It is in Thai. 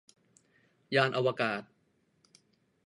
ยานอวกาศ